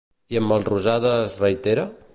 I en Melrosada es reitera?